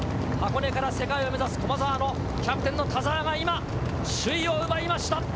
箱根から世界を目指す駒澤のキャプテンの田澤が今首位を奪いました！